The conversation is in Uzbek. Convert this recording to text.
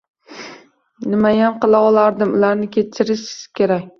Nimayam qila olardim, ularni kechirish kerak